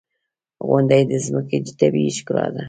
• غونډۍ د ځمکې طبیعي ښکلا ده.